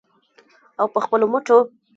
او په خپلو مټو.